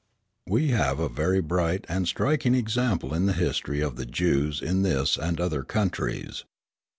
We have a very bright and striking example in the history of the Jews in this and other countries.